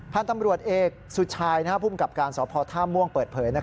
ท่านตำรวจเอกสุชายภูมิกับการสพท่าม่วงเปิดเผย